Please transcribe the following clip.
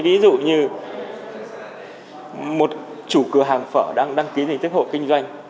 ví dụ như một chủ cửa hàng phở đang ký thành tích hộ kinh doanh